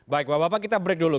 baik bapak bapak kita break dulu